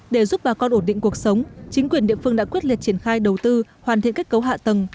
để giúp bà con ổn định cuộc sống chính quyền địa phương đã quyết liệt triển khai đầu tư hoàn thiện kết cấu hạ tầng